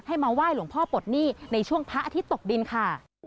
มาไหว้หลวงพ่อปลดหนี้ในช่วงพระอาทิตย์ตกดินค่ะ